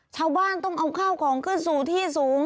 ชาวบ้านต้องเอาข้าวของขึ้นสู่ที่สูง